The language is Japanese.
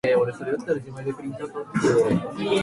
こんばんは、今日のニュースをお伝えします。